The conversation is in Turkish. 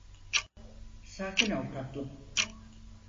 Sakin ol tatlım.